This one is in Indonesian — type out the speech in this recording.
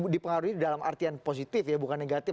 dipengaruhi dalam artian positif ya bukan negatif